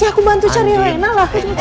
ya aku bantu cari rena lah